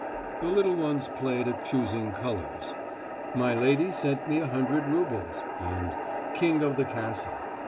The little ones played at choosing colours, "My lady sent me a hundred roubles," and "King of the castle."